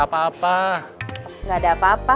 ini saat jadi titipu di dalam